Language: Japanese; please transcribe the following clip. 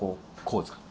こうですか？